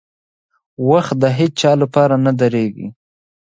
• وخت د هیڅ چا لپاره نه درېږي.